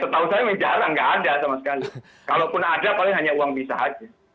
setahu saya bicara nggak ada sama sekali kalaupun ada paling hanya uang bisa saja